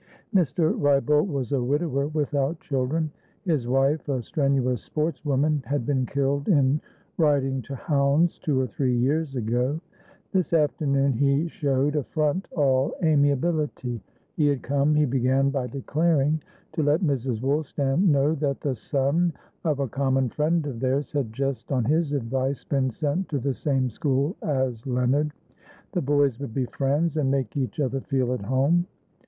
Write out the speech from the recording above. Mr. Wrybolt was a widower, without children; his wife, a strenuous sportswoman, had been killed in riding to hounds two or three years ago. This afternoon he showed a front all amiability. He had come, he began by declaring, to let Mrs. Woolstan know that the son of a common friend of theirs had just, on his advice, been sent to the same school as Leonard; the boys would be friends, and make each other feel at home.